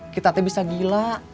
kita teh bisa gila